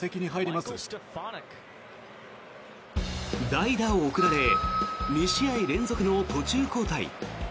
代打を送られ２試合連続の途中交代。